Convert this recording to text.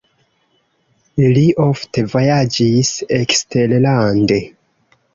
Li ofte vojaĝis eksterlande.